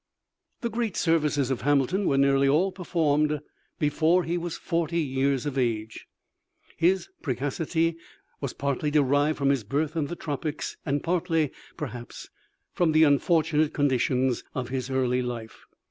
The great services of Hamilton were nearly all performed before he was forty years of age. His precocity was partly derived from his birth in the tropics and partly, perhaps, from the unfortunate conditions of his early life.